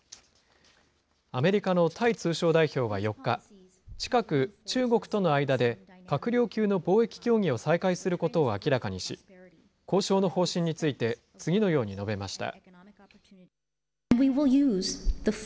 アメリカのタイ通商代表は４日、近く、中国との間で閣僚級の貿易協議を再開することを明らかにし、交渉の方針について、次のように述べました。